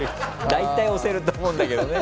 大体押せると思うんだけどね。